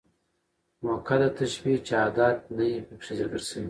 مؤکده تشبيه، چي ادات نه يي پکښي ذکر سوي.